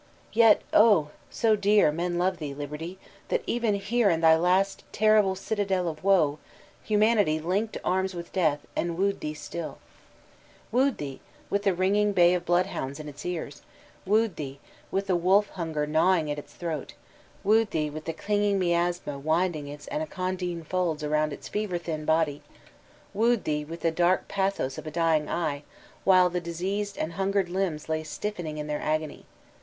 Yet, Oh, so dear men love thee^ 3^ VOLTAIRINE D£ ClEYIE liberty, that even here in thy last terrible citadel of woe. Humanity linked arms with Death, and wooed thee stilll Wooed thee, with the ringing bay of bloodhounds in its ears; wooed thee, with the wolf of hunger gnawing at its throat; wooed thee with the clinging miasm winding its anacondine folds around its fever thin body; wooed thee with the dark pathos of a dying ejre, while the dis eased and hungered limbs lay stiffening in their agony.